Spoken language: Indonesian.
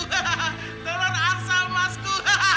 telur angsa emasku